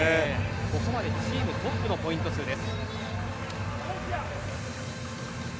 ここまでチームトップのポイント数です。